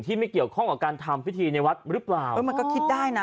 ไม่เกี่ยวข้องกับการทำพิธีในวัดหรือเปล่าเออมันก็คิดได้นะ